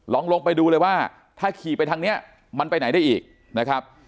ลงไปดูเลยว่าถ้าขี่ไปทางนี้มันไปไหนได้อีกนะครับ